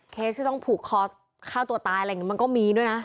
ที่ต้องผูกคอฆ่าตัวตายอะไรอย่างนี้มันก็มีด้วยนะ